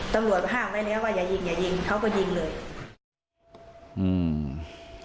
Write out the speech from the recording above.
ตำรวจมาฮ่าแล้วนั่นแล้วอย่ายิงเขาก็ยิงเลย